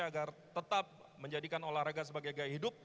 agar tetap menjadikan olahraga sebagai gaya hidup